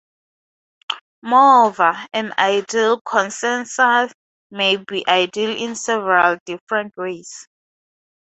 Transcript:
Moreover, an ideal consensus may be ideal in several different ways.